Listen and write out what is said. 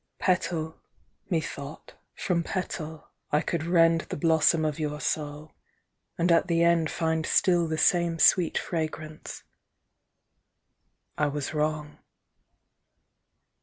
Petal, methought, from petal I could rend The blossom of your soul, and at the end Find still the same sweet fragrance. â I was wrong.